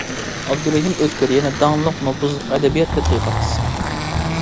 ئابدۇرېھىم ئۆتكۈر يەنە داڭلىق، نوپۇزلۇق ئەدەبىيات تەتقىقاتچىسى.